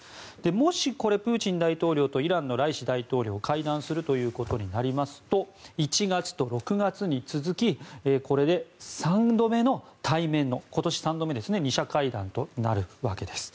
もしこれ、プーチン大統領とイランのライシ大統領会談するということになりますと１月と６月に続きこれで３度目の対面の今年３度目の２者会談となるわけです。